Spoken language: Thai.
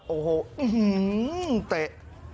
โอ้โหเตะ